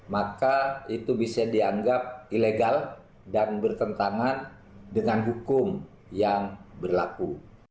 maka itu bisa dianggap ilegal dan bertentangan dengan hukum yang berlaku